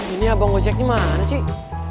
ini abang ojeknya mana sih